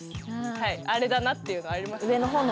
はいあれだなっていうのあります